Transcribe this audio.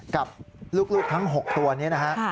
กับลูกทั้ง๖ตัวนี้นะฮะ